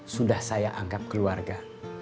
sudah saya anggap keluarga